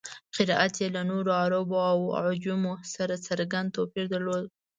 قرائت یې له نورو عربو او عجمو سره څرګند توپیر درلود.